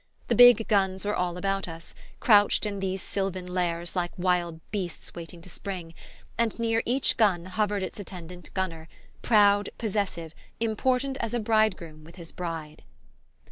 The big guns were all about us, crouched in these sylvan lairs like wild beasts waiting to spring; and near each gun hovered its attendant gunner, proud, possessive, important as a bridegroom with his bride.